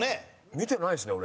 見てないですね俺。